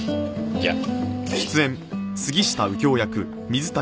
じゃあ。